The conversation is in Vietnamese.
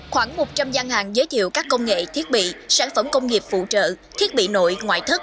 khoảng một trăm linh gian hàng giới thiệu các công nghệ thiết bị sản phẩm công nghiệp phụ trợ thiết bị nội ngoại thất